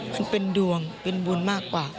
มันเป็นดวงเป็นบุญมากกว่า